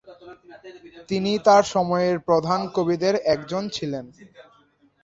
তিনি তার সময়ের প্রধান কবিদের একজন ছিলেন।